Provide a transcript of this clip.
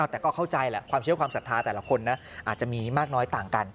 แต่ก็เข้าใจแหละความเชื่อความศรัทธาแต่ละคนนะอาจจะมีมากน้อยต่างกัน